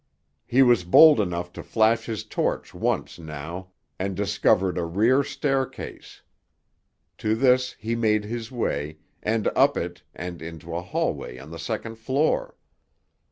He was bold enough to flash his torch once now, and discovered a rear staircase. To this he made his way, and up it, and into a hallway on the second floor.